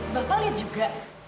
bapak lihat juga